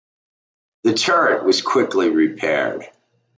The turret was quickly repaired.